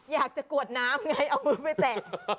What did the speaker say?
อยากจะกวดน้ำไงเอามือไปแต่ง